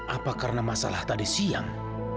apa karena masalah tadi siang